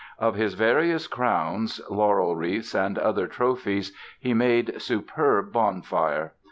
Of his various crowns, laurel wreaths and other "trophies" he made superb bonfire!